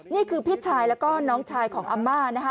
นี่คือพี่ชายแล้วก็น้องชายของอาม่านะคะ